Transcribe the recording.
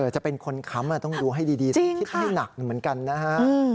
จะเป็นคนค้ำต้องดูให้ดีคิดให้หนักเหมือนกันนะฮะ